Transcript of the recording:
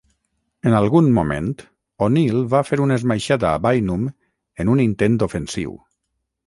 En algun moment, O'Neal va fer una esmaixada a Bynum en un intent ofensiu.